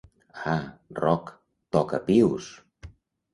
Ah, Roc, toca pius!...